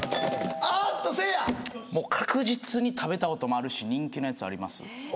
あっとせいやもう確実に食べたこともあるし人気のやつあります